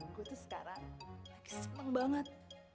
gue tuh sekarang lagi seneng banget